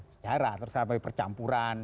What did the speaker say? sejarah terus sampai percampuran